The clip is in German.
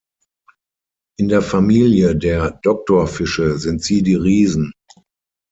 In der Familie der Doktorfische sind sie die Riesen.